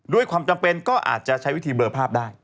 ด้วยความจำเป็นก็อาจจะใช้วิธีเบลอภาพได้